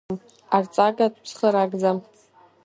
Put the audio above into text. Арҵагатә цхыраагӡа.